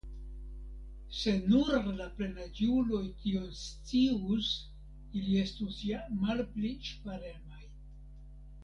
Se nur la plenaĝuloj tion scius, ili estus ja malpli ŝparemaj.